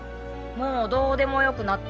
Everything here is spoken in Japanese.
もうどーでもよくなった。